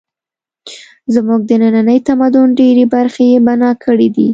زموږ د ننني تمدن ډېرې برخې یې بنا کړې دي.